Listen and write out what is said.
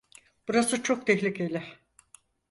Burası çok tehlikeli.